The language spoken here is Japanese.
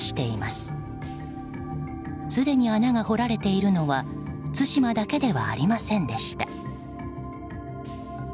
すでに穴が掘られているのは対馬だけではありませんでした。